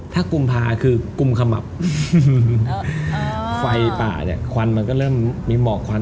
ถ้ากุมภาคือกุมขมับไฟป่าเนี่ยควันมันก็เริ่มมีหมอกควัน